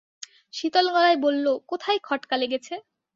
শীতল গলায় বলল, কোথায় খটকা লেগেছে?